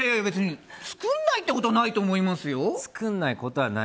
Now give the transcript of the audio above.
作らないってことないと思いますよ。